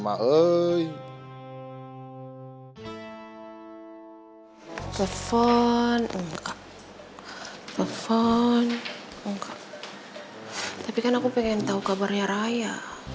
hai telfon enggak telfon enggak tapi kan aku pengen tahu kabarnya raya